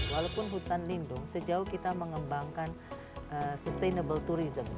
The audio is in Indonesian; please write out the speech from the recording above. walaupun hutan lindung sejauh kita mengembangkan sustainable tourism